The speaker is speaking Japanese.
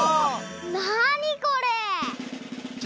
なにこれ？